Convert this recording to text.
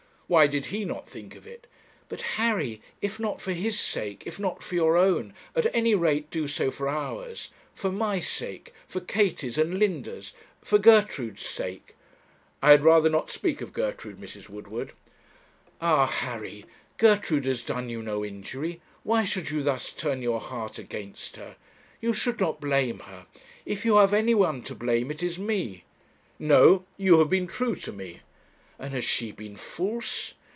'Why did he not think of it?' 'But, Harry if not for his sake, if not for your own, at any rate do so for ours; for my sake, for Katie's and Linda's, for Gertrude's sake.' 'I had rather not speak of Gertrude, Mrs. Woodward.' 'Ah! Harry, Gertrude has done you no injury; why should you thus turn your heart against her? You should not blame her; if you have anyone to blame, it is me.' 'No; you have been true to me.' 'And has she been false?